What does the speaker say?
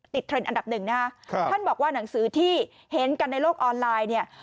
เทรนด์อันดับหนึ่งนะครับท่านบอกว่าหนังสือที่เห็นกันในโลกออนไลน์เนี่ย